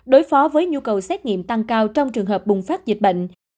đối phó với nhu cầu xét nghiệm tăng cao trong trường hợp bùng phát dịch bệnh